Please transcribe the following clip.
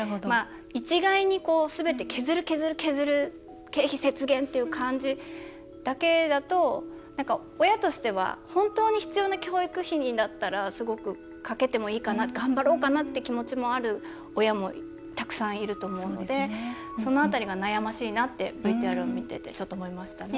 一概に、すべて削る、削る、削る経費節減っていう感じだけだと親としては本当に必要な教育費にだったらすごく、かけてもいいかな頑張ろうかなって気持ちもある親もたくさんいると思うのでその辺りが悩ましいなってＶＴＲを見ててちょっと思いましたね。